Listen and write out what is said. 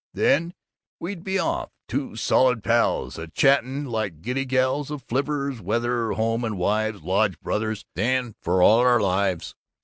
Then we'd be off, two solid pals, a chatterin' like giddy gals of flivvers, weather, home, and wives, lodge brothers then for all our lives!